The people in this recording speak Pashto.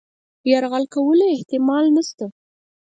یرغل کولو احتمال نسته.